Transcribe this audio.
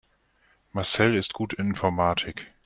Marcel ist gut in Informatik.